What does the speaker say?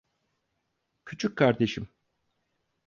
Küçük kardeşim.